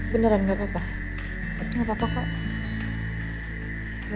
beneran enggak papa papa